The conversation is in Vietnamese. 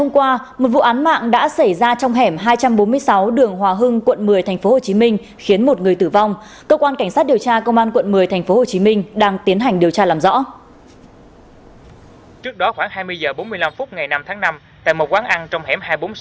các bạn hãy đăng ký kênh để ủng hộ kênh của chúng mình nhé